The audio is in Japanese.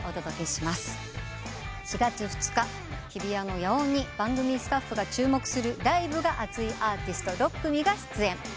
４月２日日比谷の野音に番組スタッフが注目するライブが熱いアーティスト６組が出演。